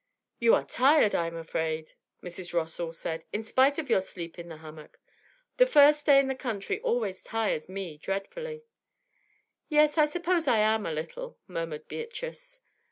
'You are tired, I am afraid,' Mrs. Rossall said, 'in spite of your sleep in the hammock. The first day in the country always tires me dreadfully.' 'Yes, I suppose I am, a little,' murmured Beatrice.